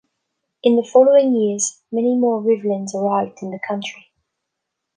In the following years, many more Rivlins arrived in the country.